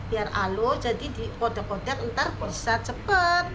biar halus jadi dikodek kodek nanti bisa cepet